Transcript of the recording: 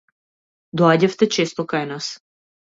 Доаѓавте често кај нас.